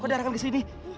kok darahkan ke sini